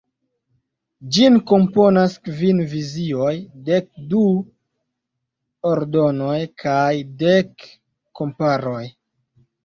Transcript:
Ĝin komponas kvin vizioj, dek du “Ordonoj” kaj dek “komparoj”.